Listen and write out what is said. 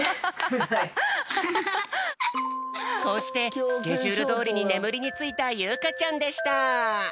こうしてスケジュールどおりにねむりについたゆうかちゃんでした。